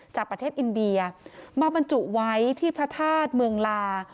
จากประเทศอินเดียมาบรรจุไว้ที่พระธาตุเมืองลา